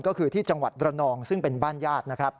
ก็คือที่จังหวัดระนองซึ่งเป็นบ้านญาตินะครับ